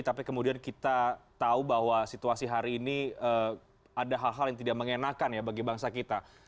tapi kemudian kita tahu bahwa situasi hari ini ada hal hal yang tidak mengenakan ya bagi bangsa kita